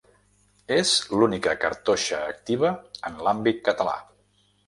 És l'única cartoixa activa en l'àmbit català.